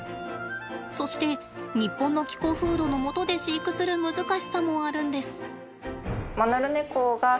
そして日本の気候風土のもとで飼育する難しさもあるんです。